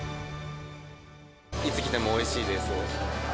いつ来てもおいしいです。